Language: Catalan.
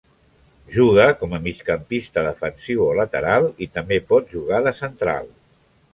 Juga com a migcampista defensiu o lateral i també pot jugar de central.